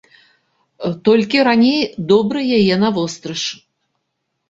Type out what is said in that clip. Толькі раней добра яе навострыш.